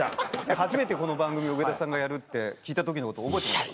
初めてこの番組を上田さんがやるって聞いた時のこと覚えてますか？